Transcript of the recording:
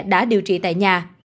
đã điều trị tại nhà